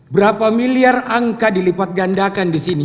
berapa miliar angka dilipat gandakan disini